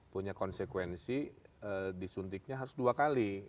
punya konsekuensi disuntiknya harus dua kali